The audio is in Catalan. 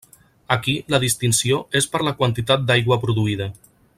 Aquí la distinció és per la quantitat d'aigua produïda.